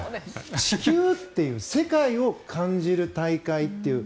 地球っていう世界を感じる大会っていう。